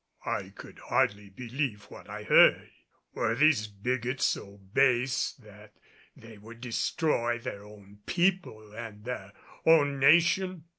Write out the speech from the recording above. I could hardly believe what I heard. Were there bigots so base that they would destroy their own people and their own nation?